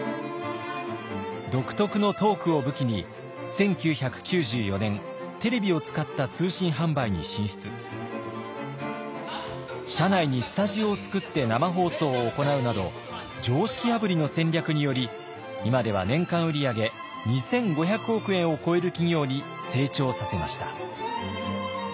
独特のトークを武器に社内にスタジオを作って生放送を行うなど常識破りの戦略により今では年間売り上げ２，５００億円を超える企業に成長させました。